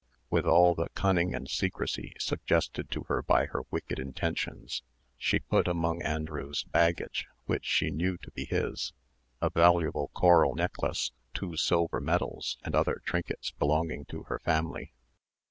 With all the cunning and secrecy suggested to her by her wicked intentions, she put among Andrew's baggage, which she knew to be his, a valuable coral necklace, two silver medals, and other trinkets belonging to her family.